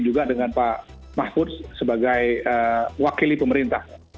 juga dengan pak mahfud sebagai wakili pemerintah